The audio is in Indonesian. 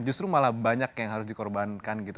justru malah banyak yang harus dikorbankan gitu